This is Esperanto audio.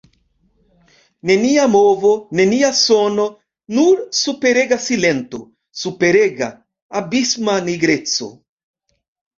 Nenia movo, nenia sono, nur superega silento, superega, abisma nigreco.